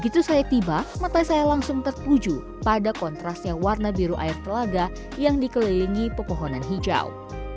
ketika saya datang mata saya langsung tertuju pada kontras warna biru air telaga yang dikelilingi pepohonan hijau